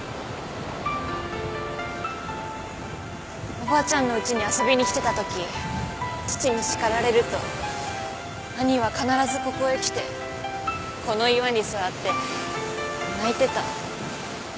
おばあちゃんの家に遊びに来てた時父に叱られると兄は必ずここへ来てこの岩に座って泣いてた。